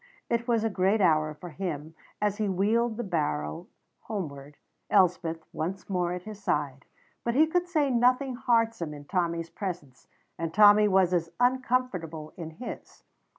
It was a great hour for him as he wheeled the barrow homeward, Elspeth once more by his side; but he could say nothing heartsome in Tommy's presence, and Tommy was as uncomfortable in his.